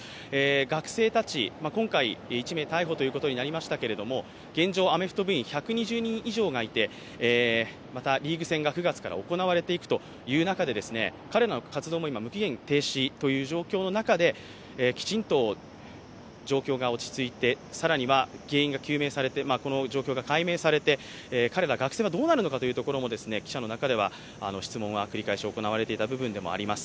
学生たち、今回１名逮捕ということになりましたけども、現状、アメフト部員、１２０人以上いてまたリーグ戦が９月から行われていく中で、彼らの活動も無期限に停止という中できちんと状況が落ち着いて更には原因が究明されてこの状況が解明されて、彼ら学生はどうなるのかというところも記者の中では、質問が繰り返し行われていた部分です。